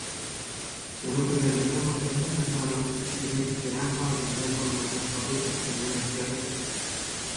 Munuň özeninde bolsa hemme zadyň biziň isleýän halymyzda bolmagyny arzuw etmegimiz ýatyrdy.